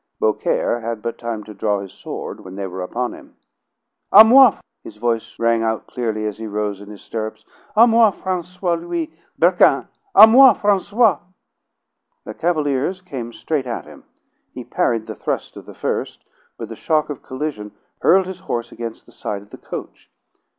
Beaucaire had but time to draw his sword when they were upon him. "A moi!" his voice rang out clearly as he rose in his stirrups. "A moi, Francois, Louis, Berquin! A moi, Francois!" The cavaliers came straight at him. He parried the thrust of the first, but the shock of collision hurled his horse against the side of the coach.